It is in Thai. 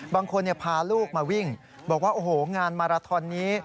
บางคนพาลูกมาวิ่งบอกว่าโอ้โหงานมาราทอนนี้